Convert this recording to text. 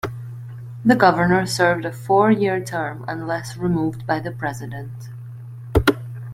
The governor served a four-year term, unless removed by the President.